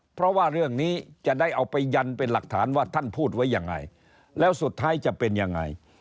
เพราะว่าเรื่องนี้จะได้เอาไปยันเป็นหลักฐานว่าท่านพูดไว้ยังไงแล้วสุดท้ายจะเป็นยังไง